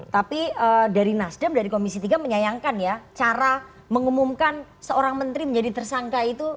tapi dari nasdem dari komisi tiga menyayangkan ya cara mengumumkan seorang menteri menjadi tersangka itu